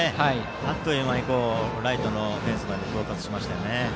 あっという間にライトのフェンスまで到達しました。